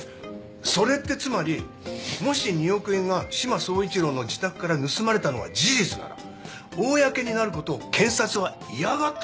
それってつまりもし２億円が志摩総一郎の自宅から盗まれたのが事実なら公になることを検察は嫌がったってことか。